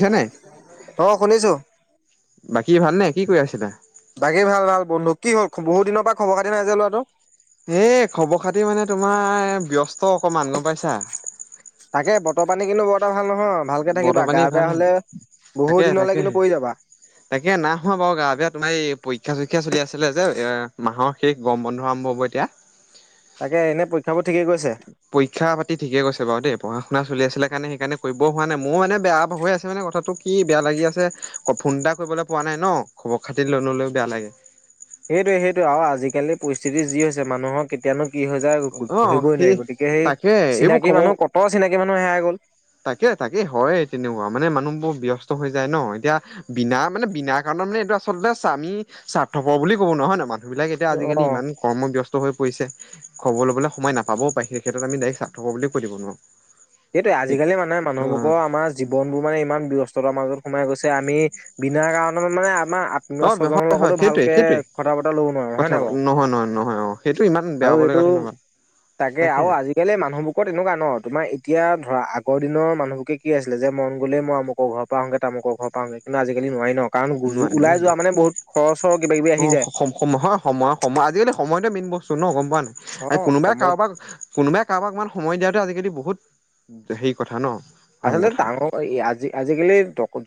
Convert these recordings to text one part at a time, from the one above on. শুনিছা নে অ শুনিছোঁ বাকী ভালনে কি কৰি আছিলা বাকী ভাল ভাল বন্ধু কি হল বহুত দিনৰ পৰা খবৰ খাতি নাই যে লৰাটো। এ খবৰ খাতি মানে তোমাৰ ব্যস্ত অকমান গম পাইছা! তাকে বতৰ পানী কিন্তু বৰটা, ভাল নহয় ভালকে বতৰ থাকিবা পানী গা ভাল বেয়া নাই হলে তাকে বহুত দিনলৈ তাকে। কিন্তু পৰি যাবা। তাকে না হোৱা বাৰু গা বেয়া তোমাৰ এই পৰীক্ষা চৰিক্ষা চলি আছিলে যে এ মাহৰ শেষ গম বন্ধু আৰম্ভ হব এতিয়া। তাকে এনেই প পৰীক্ষা পাতি ঠিকে গৈছে বাৰু দেই পঢ়া শুনা চল আছিলে কাৰণে সেইকাৰণে কৰিব হোৱা নাই মোৰ মানে বেয়া হৈ আছে মানে কথাটো কি বেয়া লাগি আছে ফোন এটা কৰিবলৈ পোৱা নাই ন? খবৰ খাতি নল'লেও বেয়া লাগে সেইটোৱে সেইটোৱে আৰু আজিকালি পৰিস্থিতি যি হৈছে মানুহৰ কেতিয়ানো কি হৈ যায় অ ধৰিবই সেই নোৱাৰি গতিকে সেই তাকে এইবোৰ চিনাকি খবৰ মানুহ কতো চিনাকি মানুহ হেৰাই গ'ল। তাকে তাকে হয় তেনেকুৱা মানে মানুহ বোৰ ব্যস্ত হৈ যায় ন এতিয়া বিনা মানে বিনা কাৰণে তাৰমানে এইটো আচলতে আমি স্বাৰ্থপৰ বুলি ক'ব নোৱাৰো হয় নাই মানুহবিলাক এতিয়া অ আজিকালি ইমান কৰ্ম ব্যস্ত। হৈ পৰিছে খবৰ ল'বলৈ সময় নাপাবও পাৰে, সেই ক্ষেত্ৰত আমি ডাইৰেক্ট স্বাৰ্থপৰ বুলি কৈ দিব নোৱাৰো। সেইটোৱে, আজিকালি মানে মানুহবোৰৰ আমাৰ জীৱনবোৰ মানে ইমান ব্যস্ততাৰ মাজত সোমাই গৈছে, আমি বিনা কাৰণত মানে আ অ' হয় হয়, সেইটোৱে সেইটোৱে কথা বতৰা ল'ব নোৱাৰো হয় কথা নাই বাৰু নহয় নহয় নহয় অ' সেইটো ইমান আৰু বেয়া পাবলৈ এইটো কথা নহয়। তাকে আৰু আজিকালি মানুহবোৰ তেনেকুৱা ন, তোমাৰ এতিয়া ধৰা আগৰ দিনৰ মানুহহকে কি আছিলে যে মন গলেই মই আমুকৰ ঘৰৰ পৰা আহোঁগে তামুকৰ ঘৰৰ পৰা আহোঁগে। কিন্তু আজিকালি নোৱাৰি ন, কাৰণ গুৰজু নোৱাৰি ওলাই নোৱাৰি যোৱা মানে বহুত খৰচৰ কিবা-কিবি অ আহি যায়। সম সম হয় সময় সময় আজিকালি সময়তে মেইন বস্তু ন, গম পোৱা নাই? অ আৰু কোনোবাই সময়ত কাৰোবাক কোনোবাই কাৰোবাক ইমান সময় দিয়াটোৱে আজিকালি বহুত হেৰি কথা ন। প্ৰথম আচলতে কথা হয় ডাঙৰ এ আজি আজিকালি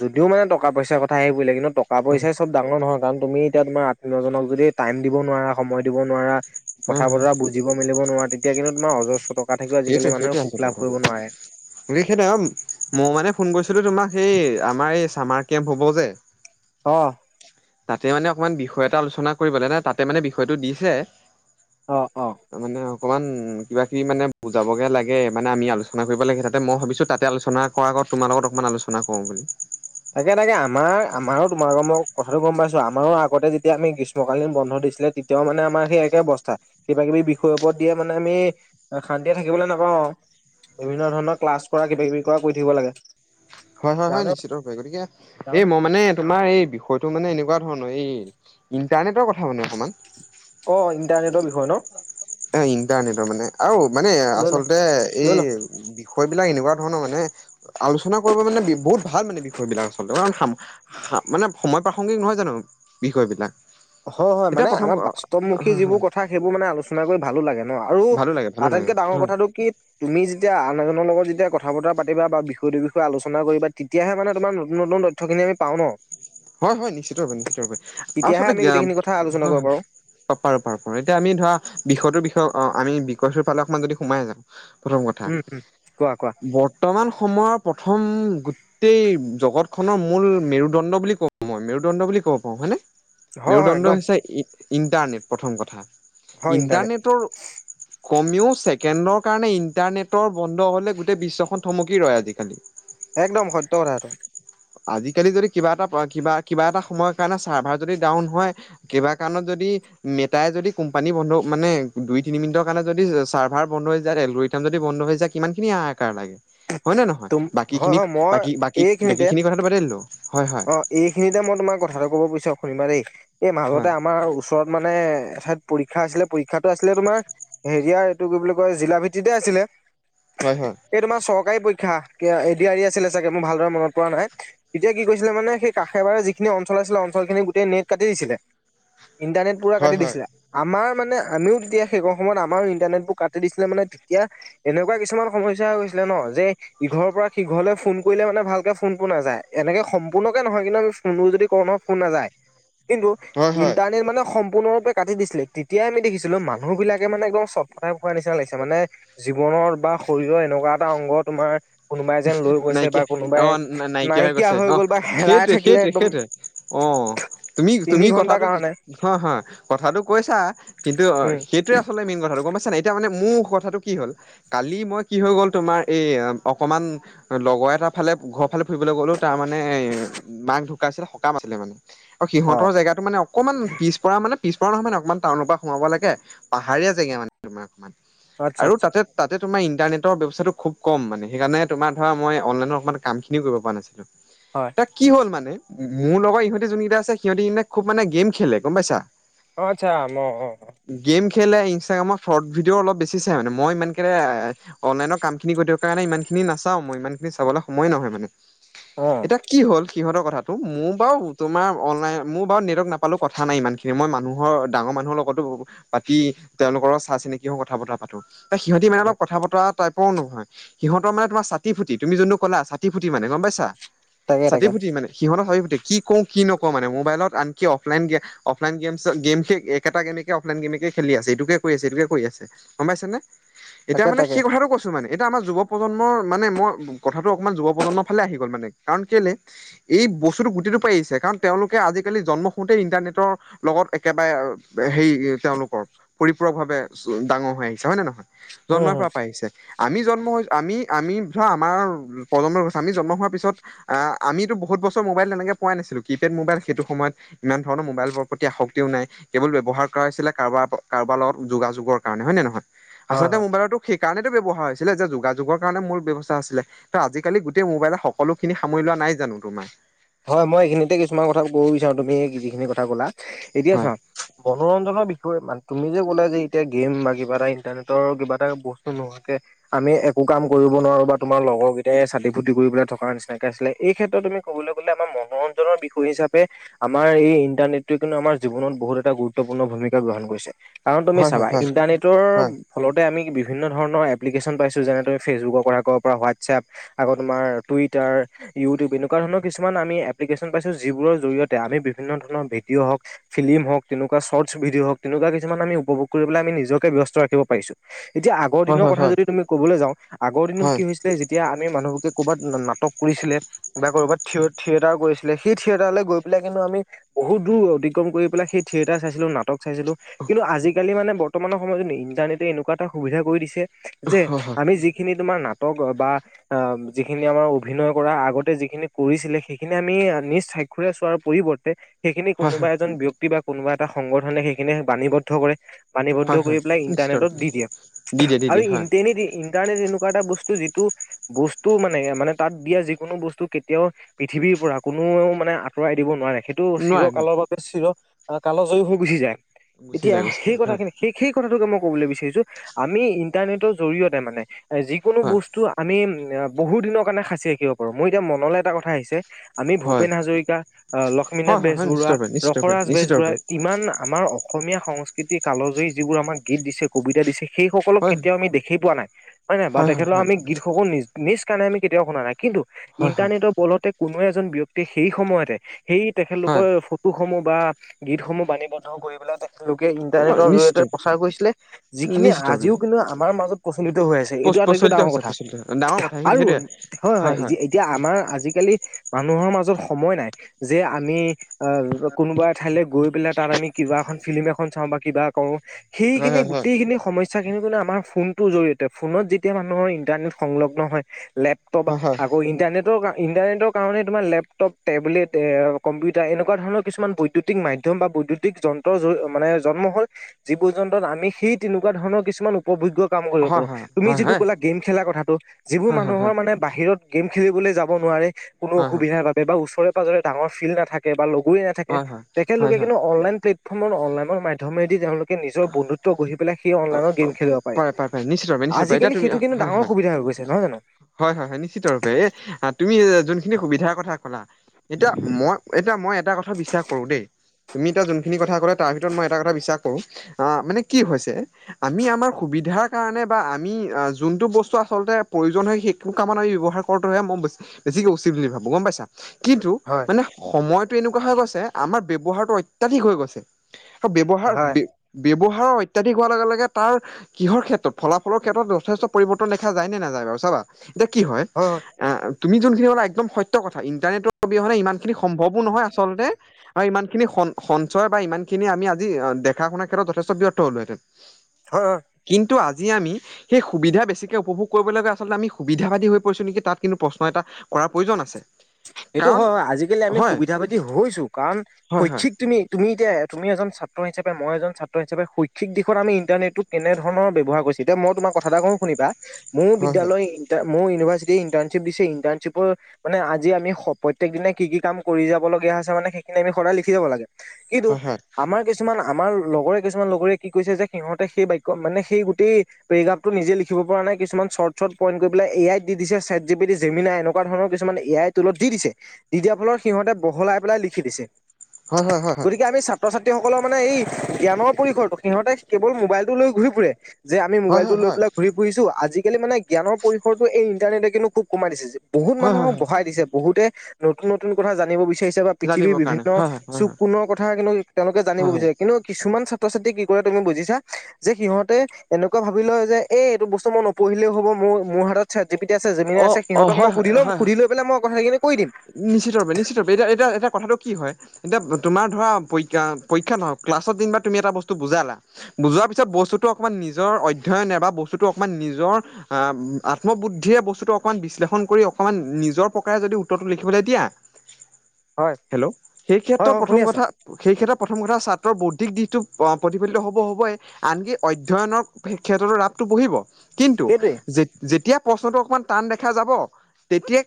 যদিও মানে টকা -ইচাৰ কথা আহি পৰিলে। কিন্তু, টকা-পইচাই চব ডাঙৰ নহয়। কাৰণ তুমি এতিয়া তোমাৰ আত্মীয় জনক যদি টাইম দিব নোৱাৰা সময় দিব নোৱাৰা। কথা হয় বতৰা বুজিব মেলিব নোৱাৰা, তেতিয়া কিন্তু তোমাৰ অজস্ৰ টকা থাকিও সেইটোৱে আজিকালি সেইটোৱে মানুহে আচলতে সুখ লাভ কথাটো কৰিব নোৱাৰে। [unintelligible] মই মানে ফোন কৰিছিলোঁ তোমাক সেই আমাৰ এই চামাৰ কেম্প হ'ব যে। অহ'। তাতে মানে অকমান বিষয় এটা আলোচনা কৰিব লাগে, নহয় তাতে মানে বিষয়টো দিছে। অহ' অহ'। মানে অকমান কিবা-কিবি মানে বুজাবগে লাগে, মানে আমি আলোচনা কৰিব লাগে তাতে মই ভাবিছোঁ তাতে আলোচনা কৰাৰ আগত তোমাৰ লগত অকমান আলোচনা কৰো বুলি। তাকে তাকে, আমাৰ আমাৰো তোমালোকৰ মই কথাটো গম পাইছো। আমাৰো আগতে যেতিয়া আমি গ্ৰীষ্মকালীন বন্ধ দিছিলে তেতিয়াও মানে আমাৰ সেই একে অৱস্থা, কিবা-কিবি বিষয়ৰ ওপৰত দিয়ে, মানে আমি শান্তিৰে থাকিবলৈ নাপাওঁ। [inaudible] বিভিন্ন ধৰণৰ ক্লাছ কৰা, কিবা কিবি কৰা কৰি থাকিব লাগে। হয় হয় হয় যাওঁনে নিশ্চিত ভাৱে, গতিকে, এই যাওঁনে মই মানে তোমাৰ এই বিষয়টো মানে এনে কোৱা ধৰণৰ এই ইণ্টাৰনেটৰ কথা মানে অকমান অ' ইণ্টাৰনেটৰ বিষয়ে ন? এহ ইণ্টাৰনেটৰ মানে আৰু মানে লৈ ল আচলতে লৈ ল এই বি ষয় বিলাক এনেকুৱা ধৰণৰ মানে, আলোচনা কৰিব মানে বি বহুত ভাল মানে বিষয় বিলাক আচলতে ইমান সাম সা মানে সময় প্ৰাসংগিক নহয় জানো বিষয় বিলাক? হয় হয় মানে আমা বাস্তৱমুখী হয় যিবোৰ হয় কথা সেইবোৰ মানে আলোচনা কৰি ভালো লাগে। ন' আৰু ভালো লাগে ভালো লাগে আটাইতকে ডাঙৰ হয় কথাটো কি তুমি যেতিয়া আন এজনৰ লগত যেতিয়া ক থা বতৰা পাতিবা বা বিষয়টোৰ বিষয়ে আলোচনা কৰিবা তেতিয়াহে মানে তোমাৰ নতুন নতুন তথ্য খিনি আমি পাওঁ ন'। হয় হয়, নিশ্চিত ৰূপে নিশ্চিত ৰূপে আৰু তেতিয়াহে আচলতে আমি জ্ঞা পাম গোটেইখিনি কথা আলোচনা হয় কৰিব হয়। পাৰো পাৰ পাৰ পাৰ এতিয়া আমি ধৰা বিষয়টোৰ বিষয়ে অঁ আমি বিষয়টোৰ ফালে অকমান যদি সোমাই যাওঁ প্ৰথম কথা, উম উম কোৱা কোৱা বৰ্তমান সময়ৰ প্ৰথম গোট টেই জগত খনৰ মূল মেৰুদণ্ড বুলি কওঁ মই মেৰুদণ্ড বুলি ক'ব পাৰো হয় নে? হয় হয় মেৰুদণ্ড একদম হৈছে ই ইণ্টাৰনেট প্ৰথম কথা হয় ইণ্টাৰনেট ইণ্টাৰনেটৰ কমেও ছেকেণ্ডৰ কাৰণে ইণ্টাৰনেটৰ বন্ধ হ'লে গোটেই বিশ্বখন থমকি ৰয় আজিকালি। একদম সত্য কথা এটো। আজিকালি যদি কিবা এটা কিবা কিবা এটা সময়ৰ কাৰণে চাৰ্ভাৰ যদি ডাউন হয় কিবা কাৰণত যদ দি মেটাই যদি, কম্পানি বন্ধ মানে দুই তিনি মিনিটৰ কাৰণে যদি চাৰ্ভাৰ বন্ধ হৈ যায় এলগৰিথম যদি বন্ধ হৈ যায়, কিমান খিনি হাহাকাৰ লাগে, হয় নে নহয়? তুম বাকী হয় খিনিক হয় মই বাকী বাকী এইখিনিতে বাকীখিনি কথাটো বাদেই দিলো। হয় হয় অ এইখিনিতে মই তোমাৰ কথাটো কব বিছাৰো শুনিবা দেই এই মাজতে হয় আমাৰ ওচৰত মানে মানে এঠাইত পৰীক্ষা আছিলে পৰীক্ষাতটো আছিলে তোমাৰ হেৰিয়াৰ এইটো কি বুলি কয় জিলা ভিত্তিতে আছিলে হয় হয় এই তোমাৰ চৰকাৰী পৰীক্ষা এডিআৰই আছিলে চাগে মোৰ ভালদৰে মনত পৰা নাই। এতিয়া কি কৈছিলে মানে সেই কাষে বাৰে যিখিনি অঞ্চল আছিলে অঞ্চল খিনি গোটেই নেট কাটি দিছিলে ইণ্টাৰনেট পুৰা হয় কাটি হয় দিছিলে। আমাৰ মানে আমিও তেতিয়া সেই কন সময়ত আমাৰো ইন্টাৰনেট বোৰ কাটি দিছিলে মানে তেতিয়া এনেকুৱা কিছুমান সমস্য হৈ গৈছিল ন যে ইঘৰৰ পৰা সিঘৰলৈ ফোন কৰিলে মানে ভালকে ফোনটো নাযায়। এনেকে সম্পূৰ্ণকে নহয় কিন্তু আমি ফোনবোৰ যদি কৰো নহয় ফোন নাযায়। কিন্তু হয় হয় ইণ্টাৰনেট মানে সম পূৰ্ণৰূপে কাটিছিলে তেতিয়া আমি দেখিছিলো মানুহ বিলাকে মানে একদম চট ফটাই ফুৰা নিচিনা লাগিছে মানে জীৱন বা শৰীৰৰ এনেকুৱা এটা অংগ তোমাৰ কোনোবাই যেন লৈ গৈছে বা নাইকিয়া অ কোনোবাই নাইকিয়া নাই কিয় গৈছে হৈ অ গ'ল বা হেৰাই সেইটোৱে থাকিলে সেইটোৱে একদম। সেইটোৱে অ'। তুমি তিনি তুমি ঘন্টাৰ কথাটো কাৰণে অ' হ কথাটো কৈছা কিন্তু উম সেইটোৱে আচলতে মেইন কথাটো। গম পাইছা নাই এতিয়া মানে মোৰ কথাটো কি হ'ল কালি মই কি হৈ গ'ল তোমাৰ এই অ অকণমান লগৰ এটাৰ ফালে ঘৰৰ ফালে ফুৰিবলৈ গ'লো, তাৰমানে মাক ঢুকাইছিলে সকাম আছিলে মানে। আৰু অ সিহঁতৰ জেগাটো মানে অকমান পিছ পৰা মানে পিছপৰা নহয় মানে অকণমান টাউনৰ পৰা সোমাব লাগে পাহাৰীয়া জেগা মানে তোমাৰ অকণমান আচ্ছা আৰু আচ্ছা তাতে তাতে তোমাৰ ইণ্টাৰনেটৰ ব্যৱস্থাটো খুব কম মানে। সেইকাৰণে তোমাৰ ধৰা মই অনলাইনত অকণমান কামখিনি কৰিব পৰা নাছিলোঁ। হয়। এতিয়া কি হল মানে মোৰ লগৰ ইহঁতি যোন কেইটা আছে সিহঁতি মানে খুব মানে গেম খেলে গম পাইছা অ' আতচ্ছা অ' অ'। গেম খেলে ইনষ্টাগ্ৰামৰ শ্বৰ্ট ভিডিঅ' অলপ বেছি চাই মানে মই ইমান কে অনলাইনৰ কাম খিনি কৰি থাকো কাৰণে ইমান খিনি নাচাও মই ইমান খিনি চাবলৈ সময় নহয় মানে। উম এতিয়া কি হ'ল সিহঁতৰ কথাটো, মোৰ বাৰু তোমাৰ অনলাইন মোৰ বাৰু নেটৱৰ্ক নাপালোঁ কথা নাই ইমানখিনি মই মানুহৰ ডাঙৰ মানুহৰ লগতো পাতি তেওঁলোকৰ লগত চা চিনাকি হও কথা বতৰা পাতো। সিহঁতি মানে অলপ কথা বতৰা টাইপৰো নহয়, সিহঁত ত মনে তোমাৰ চাতি ফুটি তুমি যোনটো কলা চাতি ফুটি মানে, গম পইছা? তাকে চাতি তাকে ফুটি মানে সিহতে ভাৱি কি ক'ৰো কি নক'ৰো মানে মোবাইলত আনকি অফলাইন গে অফলাইন গেমছ গেম একেটা গেমেকে অফলাইন গেম খেলি আছে এইটোকে কৰি আছে এইটোকে কৰি আছে গম পইছা নে? এতিয়া তাকে মানে তাকে সেই কথাটো কৈছো মানে এতিয়া আমাৰ যুৱ প্ৰজন্মৰ মানে মই কথাটো অকমান যুৱ প্ৰজন্মৰ ফালে আহি গ'ল মানে, কাৰণ কেলে এই বস্তুটো গোটেই সেইটো পাই আহিছে। কাৰণ তেওঁলোকে আজিকালি জন্ম হোওঁতে ইণ্টাৰনেটৰ লগত একেবাৰে আৰু হেৰি তেওঁলোক পৰিপূৰক ভাৱে ডাঙৰ হৈ আহিছে, হয় নে নহয়? উম জন্মৰ হম পৰা পাই আহিছে, আমি জন্ম হৈ আমি, আমি ধৰা আমাৰ প্ৰজন্মৰ, আমি জন্ম হোৱাৰ পিছত আ-আমিতো বহুত বছৰ মোবাইল তেনেকে পোৱাই নাছিলো। কিপেড মোবাইল সেইটো সময়ত ইমান ধৰণৰ মোবাইলবোৰৰ প্ৰতি আসক্তিও নাই, কেৱল ব্যৱহাৰ কৰা হৈছিলে কাৰ কাৰোবাৰ লগত যোগাযোগৰ কাৰণে, হয় নে নহয়? হয় আচলতে হয়। মোবাইলতো সেই কাৰণেতো ব্যৱহাৰ হৈছিলে, যে যোগাযোগ যোগৰ কাৰণে মূল ব্যৱস্থা আছিলে। ত' আজিকালি গোটেই মোবাইলত সকলোখিনি সামৰি লোৱা নাই জানো, তোমাৰ? হয়। মই এইখিনিতে কিছুমান কথা ক'ব বিচাৰো তুমি যিখিনি কথা ক'লা! এতিয়া হয়, চা, মনোৰঞ্জনৰ বিষ সেইটোৱে মানে। তু তুমি যে ক'লো যে এতিয়া গেম বা কিবা এটা ইণ্টাৰনেটৰ কিবা এটা বস্তু নোহোৱাকে আমি একো একো কাম কৰিব নোৱাৰোঁ, বা তোমাৰ লগৰকেইটাই চাতি-ফুটি কৰি পেলাই থকাৰ নিচিনাকৈ আছিলে এই ক্ষেত্ৰত তুমি ক'বলৈ গ'লে আমাৰ মনোৰঞ্জনৰ বিষয় হিচাপে আমাৰ এই ইটন্টটো কিন্তু আম জীৱনৰ বহুত এটা গুৰুত্বপূৰ্ণ ঘট ভূমিকা গ্ৰহণ কৰি কাৰিছে। কাৰণ তুমি হয়, হয়, চাবা হয়, ইন্টাৰনেটৰ হয়, ফলতে আমি বি বিভিন্ন ধৰণৰ এপ্লিকেশ্যন পাইছোঁ যেনে তুমি ফেচবুক ক'ব পৰা হোৱাটছএপ আকৌ তোমাৰ টুইটাৰ ইউটিউব এনেকোৱা ধৰণৰ কিছুমান আমি এপ্লিকেশ্যন পাইছো যিবোৰৰ জৰিয়তে আমি বিভিন্ন ধৰণ ভিডিঅ' হওঁক ফিল্ম হওঁক তেনেকুৱা চৰ্ট ভিডিঅ' হওঁক তেনেকুৱা কিছুমান আমি উপভোগ কৰি পেলাই আমি নিজকে ব্যস্ত ৰাখিব পাৰিছো। এতিয়া আগৰ হয়, দিনৰ হয়, কথা হয়, যদি তুমি ক'বলৈ যাওঁ, আগৰ দিনত হয়, হয়, কি হৈছিলে যেতিয়া আমি মানুহবোৰে ক'ৰবাত নাটক কৰিছিলে বা কৰ'বাত থিয়-থিয়েটাৰ কৰিছিলে সেই থিয়েটাৰলৈ গৈ পেলাই কিন্তু আমি বহুত দূৰ অতিক্ৰম কৰি পেলাই সেই থিয়েটাৰ চাইছিলো নাটক চাইছিলোশকিন্তু আজিকালি মানে বৰ্তমানৰ সময়ত ইণ্টাৰনেটে এনেকুৱা এটা সুবিধা কৰি দিছে যে, হয়, আমি যিখিনি তোমাৰ নাট ক বা আ যিখিনি আমাৰ অভিনয় কৰা, আগতে যিখিনি কৰিছিলে, সেইখিনি আমি নিজ স্বাক্ষুৰে চোৱা পৰিৱৰ্তে সেইখিনি হয়, কোনোবা এজন ব্যক্ ব্যক্তি বা কোনোবা এটা সংগঠনে সেইখিনিয়ে বাণীবদ্ধ কৰে। বানীবদ্ধ হয়, হয়, কৰি হয়, পেলাই নিশ্চিত ইণ্টাৰনেটত ৰূপে দি দিয়ে, দি দিয়ে, দি আৰু দিয়ে হয়, ইটনিটি-ইণ্টাৰনেট এনে কুৱা এটা বস্তু যিটো বস্তু মানে, মানে তাত দিয়া যিকোনো বস্তু কেতিয়াও পৃথিৱীৰ পৰা কোনেও মানে আঁতৰাই দিব নোৱাৰে, সেইটো নোৱাৰে চিৰকালৰ নোৱাৰে বাবে, চিৰ কাল জয়ী হৈ গুচি যায়। গুচি এতিয়া, যায়, গুচি সেই যায় হয়, কথাখিনি সেই-সেই কথাটোকে মই ক'বলৈ বিচাৰিছো আমি ইন্টাৰনেটৰ জৰিয়তে, মানে যিকোনো হয়, বস্তু আমি বহু দিনৰ কাৰণে খাঁচি ৰাখিব পাৰো। মোৰ এতিয়া মনলৈ এটা কথা আহিছে আমি হয়, ভূপেন হাজৰিকা, আহ লক্ষ্মীনাথ হয়, হয়, হয়, নিশ্চিত বেজবৰুৱা, ৰূপে, নিশ্চিত ৰূপে, ৰসৰাজ নিশ্চিত বেজবৰুৱা ৰূপে ইমান আমাৰ অসমীয়া সংস্কৃতিৰ কালজয়ী যিবোৰ আমাক গীত দিছে, কবিতা দিছে সেইসকলক হয়, কেতিয়াও আমি দেখি পোৱা নাই, হয় নে? বা তেখেতসকলৰ আমি গীতসমূহ নিজ নিজ কাণে আমি কেতিয়াও শুনা নাই। কিন্তু হয়, ইন্টাৰনেটৰ বলতে কোনোৱে এজন ব্যয়ক্তিয়ে সেই সময়তে সেই হয়, তেখেতলোকৰ ফটোসমূহ বা গীতসমূহ বাণীবদ্ধ কৰিবলৈ তেখেতলোক কে হয়, ইণ্টাৰনেটৰ নিশ্চিত জৰিয়তে প্ৰচাৰ কৰিছিলে, যিখিনি নিশ্চিত ৰূপে আজিও কিন্তু আমাৰ মাজত প্ৰচলিত হৈ আছে। এতিয়া ত প্ৰচলিত ডাঙৰ হৈছে, কথা। প্ৰচলিত ডাঙৰ কথা সেইটোৱে, আৰু সেইটোৱে হয়, হয়, এতিয়া আমাৰ আজিকালি মানুহৰ মাজত সময় নাই, যে আমি অ কোনোবা এঠাইলৈ গৈ পেলাই তাত আমি কিবা এখন ফিলিম এখন চাওঁ বা কিবা কৰোঁ, হয়, সেইখিনি হয়, হয়, গোটেইখিনি সমস্য স্যা খিনি [unintelligible] আমাৰ ফোনটোৰ জৰিয়তে, ফোনত যেতিয়া মানুহৰ ইন্টাৰনেট সংলগ্ন হয় লেপটপ হয়, হয়, হয়, হয়, আও নেটৱৰ্ক ইন্টাৰনেটৰ কাৰনে তোমাৰ লেপটপ, টেবলেট, এ কম্পিউটাৰ, এনেকুৱা ধৰণৰ কিছুমান বৈদ্যুতিক মা মাধ্যম বা বৈদ্যুতিক যন্ত্ৰ মানে জন্ম হল যিবোৰ যন্ত্ৰত আমি সেই তেনেকুৱা ধৰণৰ কিছুমান উপভোগ্য কাম কৰিব হয়, পাৰোঁ, তুমি হয়, যিটো হয়, ক'লা গেম খেলা কথাটো, যিবোৰ হয়, মানুহৰ হয়, মানে বাহিৰত গেম খেলিবলৈ যাব নোৱাৰে, কোনো হয়, হয়, অসুবিধাৰ বাবে বা ওচৰে পাজৰে ডাঙৰ ফিল্ড নাথাকে, বা লগ গো নাথাকে, হয় হয় হয় তেখেতলোকে হয় কিন্তু অনলাইন প্লেটফৰ্মত অনলাইনৰ মাধ্যমেদি তেওঁলোক কে নিজৰ বন্ধুত্ব গঢ়ি পেলাই সেই অ অনলাইনৰ গেম খেলিব পাৰি। পাৰে পাৰে পাৰে নিশ্চিত ৰূপে নিশ্চিত ৰূপে এতিয়া আজিকালি তুমি সেইটো কিন্তু হয় ডাঙৰ হয় সুবিধা হৈ গৈ ছে নহয় জানো? হয়, হয়, হয়, নিশ্চিত ভাবে। এ তুমি জোনখিনি সুবিধাৰ কথা ক'লা এতিয়া মই, এতিয়া মই এটা কথা বিশ্বাস কৰো দেই তুমি এতিয়া জোনখিনি কথা কলা, তাৰ ভিতৰত মই এটা কথা বিশ্বাস কৰোঁ আ, মানে কি হৈছে, আমি আমাৰ সুবিধাৰ কাৰণে বা আমি জোনটো বস্তু আচলতে প্ৰয়োজন হয় সেইটো কামত আমি ব্যৱহাৰ কৰাটোহে মই বেছিকে উচিত বুলি ভাবো, গম পাইছা? কিন্তু, হয় মানে সময়টো এনেকুৱা হৈ গৈছে আমাৰ ব্যৱহাৰটো অত্যাধিক হৈ গৈছে। ব্যৱহাৰ হয় হয় বে ব্যৱহাৰ অত্যাধিক হোৱাৰ লগে লগে তাৰ কিহৰ ক্ষেত্ৰত ফলাফলৰ ক্ষেত্ৰত যথেষ্ট পৰিৱৰ্তন দেখা যায় নে নাযায়। চাবা এতিয়া কি হয় এ হ তুমি যোনখিনি ক'লা একদম সত্য কথা ইণ্টাৰনেটৰ অবিহনে ইমানখিনি সম্ভৱো নহয় আচলতে আৰু ইমানখিনি স সঞ্চয় বা ইমানখিনি আমি আজি দেখা শুনাৰ ক্ষেত্ৰত যথেষ্ট ব্যৰ্থ হ'লোহেঁন। হয় হয়। তো আজি আমি সেই সুবিধা বেছিকে উপভোগ কৰিবলৈ গৈ আচলতে আমি সুবিধাবাদী হৈ পৰিছোঁ নেকি তাত কিন্তু প্ৰশ্ন এটা কৰাৰ প্ৰয়োজন আছে। এইটো কাৰণ হয় আজিকালি আমি হয় সুবিধাবাদি হৈছো, কাৰণ হয় হয় শৈক্ষিক তুমি তুমি এতিয়া তুমি এজন ছাত্ৰ হিচাপে মই এজন ছাত্ৰ হিচাপে শৈক্ষিক দিশত আমি ইণ্টাৰনেটটো কেনেধৰণৰ ব্যৱহাৰ কৰিছো, এতিয়া মই তোমাৰ কথা এটা কওঁ শুনিবা। মোৰ হয় বিদ্যালয় ইণ্টাৰ মোৰ ইউনিভাৰ্চিট ইণ্টাৰ্শিপ দিছে ইণ্টাৰ্শিপৰ মানে আ যি আমি প্ৰত্যেক দিনে কি কি কাম কৰি যাবলগীয়া আছে মানে সেইখিনি আমি সদায় লিখি যাব লাগে। কিন্তু, হয় হয় আমাৰ কিছুমান আমাৰ লগৰে কিছুমান লগৰে কি কৈছে যে, সিহঁতে সেই বাক্য মানে সেই গোটেই পেৰিগ্ৰাফটো নিজে লিখিব পৰা কিছুমান শৰ্ট শৰ্ট পইট কৰি পাই এ আই দিছে set G P D Jamie নাই এনেকুৱা ধৰণৰ কিছুমান এ আই তলত দি দিছে দি দিয়াৰ ফলত সিহঁতে বহলাই পেলাই লিখি দিছে। হয় হয় হয় হয় হয় গতিকে আমি ছাত্ৰ-ছাত্ৰী সক। সকলৰ মানে এই জ্ঞানৰ পৰিসৰটো সিহঁতে কেৱল মোবাইলটো লৈ ঘূৰি ফুৰে যে আমি মোবাইলটো হয় লৈ হয় পেলাই ঘূৰি ফুৰিছোঁ আজিকালি মানে জ্ঞানৰ পৰিসৰটো এই ইন্টাৰনেটে কিন্তু খুব কমাই দিছে যে। বহুত হয় মানুহক হয় বঢ়াই দিছে বহুতে নতুন নতুন কথা জানিব বিচ বিচাৰিছে বা পৃথিৱীৰ জানিবৰ কাৰণে বিভিন্ন হয় হয় হয় চুক হয় কোণৰ কথা কিন্তু তেওঁলোকে জানিব হয় হয় বিচাৰে কিন্তু কিছুমান ছাত্ৰ ছাত্ৰী কি কৰে তুমি বুজিছা যে সিহঁতে এনেকুৱা ভাবি লয় যে এইটো বস্তু মই নপঢ়িলেও হ'ব মোৰ মোৰ হাতত চাটজিপিটি আছে জমিনি অ আছে অ সিহঁতক হয় সুধি হয় লম হয় হয় সুধি লৈ পাই মই কথাখিনি কৈ দিম নিশ্চিত ৰপে নিশ্চিত ৰূপে এতিয়া এতিয়া এটা কথাটো কি। এতিয়া তোমাৰ ধৰা পৰীক্ষা নহওক ক্লাছ তিনিবাৰ তুমি এটা বস্তু বুজালা বুজোৱাৰ পিছত। বস্তুতটো অকণমান নিজৰ অধ্যয়নে বা বস্তুটো অকণমান নিজৰ অ আত্মবুদ্ধিয় বস্তু। অকমান বিশ্লেষণ কৰি অকণমান নিজৰ প্ৰকাৰে যদি উত্তৰটো লিখিবলৈ দিয়া। হয় হেল্ল' সেই হয় ক্ষেত্ৰত হয় প্ৰথম শুনি আছো। কথা সেই ক্ষেত্ৰত প্ৰথম কথা। বৌদ্ধিক দিশটো প্ৰতিফলিত হ'ব হ'বই আনকি অধ্যয়নৰ ক্ষেত্ৰতো ৰাপটো বহিব। কিন্তু সেইটোৱে যে যেতিয়া প্ৰশ্নটো অকণমান। টান দেখা যাব তেতিয়া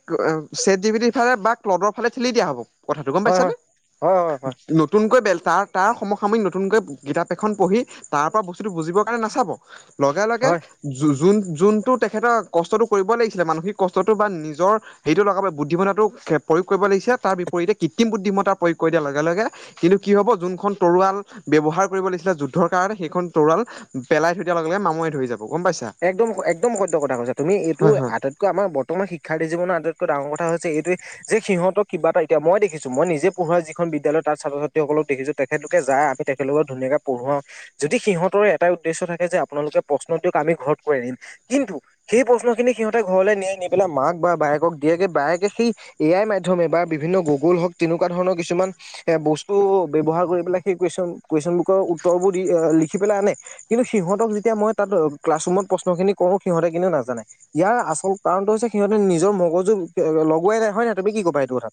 চেট জিপিটিৰ ফালে বা ক্লডৰ ফালে ঠেলি দিয়া হব। কথাটো গম হয় হয় পাইছানে হয় হয় হয় নতুনকৈ ব তাৰ তাৰ সময় সাময়িক নতুনকৈ কিতাপ এখন পঢ়ি তাৰ পৰা বস্তুটো বুজিবৰ কাৰণে নাচাব। লগে লগে হয় য যোনটো তেখেতৰ কষ্টটো কৰিব লাগিছিল। মানসিক কষ্টটো বা নিজৰ হেৰিটো লগাব [unintelligible] বুদ্ধিমতাটো প্ৰয়োগ কৰিব লাগিছে তাৰ বিপৰীতে কৃত্ৰিম বুদ্ধিত। প্ৰয়োগ কৰি দিয়াৰ লগে লগে কিন্তু কি হ'ব যোনখন তৰোৱাল ব্যৱহাৰ কৰিব লাগিছিলে যুদ্ধৰ কাৰণে সেইখন তৰাল পেলাই থৈ দিয়াৰ লগে লগে মামৰে ধৰি যাব। গম পাইছা একদম একদম সত্য কথা কৈছা তুমি এইটো হয় হয় আদত। আমাৰ বৰ্তমান শিক্ষাৰ্থী জীৱনৰ আটাইতকৈ ডাঙৰ কথা হৈছে এইটোৱে যে সিহঁত কিবা এতিয়া মই দেখিছো মই নিজে পঢ়োৱা যিখন বিদ্যালয় তাত ছাত্ৰ ছাত্ৰীসকলক দেখিছো তেখেতলোকে যায় আমি তেখেতলোকক ধুনাীয়াকে পঢ়োআও যদি সিহঁত এটাই উদ্দেশ্য থাকে যে আপোনালোকে প্ৰশ্ন দিয়ক আমি ঘৰত কৰি আনিম কিন্তু সেই প্ৰশ্ন খিনি সিহঁতে ঘৰলৈ নিয়াই নি পেলাই মাক বা বায়েক দিয়েে বায়ে সেই এ আই মাধ্যমে বা বিভিন্ন গুগল হওক তেনেকুৱা ধৰণৰ কিছুমান এ বস্তু ব ব্যৱহাৰ সেই কেশন বু উত্তৰবোৰ দি লিখি পেলাই আনে কিন্তু সিহঁতক যেতিয়া মই তাত ক্লাছৰৰুমত প্ৰশ্ন খিনি কৰো সিহঁতে কিন্তু নাজানে ইয়াৰ আচল কাৰণটো হৈছে সিহঁতে নিজৰ মগজু লগোৱাই নাই হয় নাই তুমি কি কবা এইটো কথাত